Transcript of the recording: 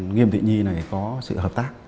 nghiêm thị nhi này có sự hợp tác